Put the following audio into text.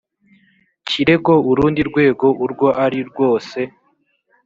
kirego urundi rwego urwo ari rwose